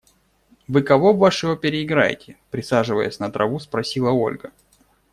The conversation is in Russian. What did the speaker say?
– Вы кого в вашей опере играете? – присаживаясь на траву, спросила Ольга.